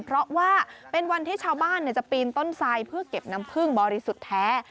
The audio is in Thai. เพราะว่าเป็นวันที่ชาวบ้านจะปีนต้นทรายเพื่อเก็บน้ำพึ่งบริสุทธิ์แท้